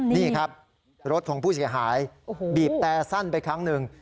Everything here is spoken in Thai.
นี่ครับรถของผู้เสียหายบีบแต่สั้นไปครั้งหนึ่ง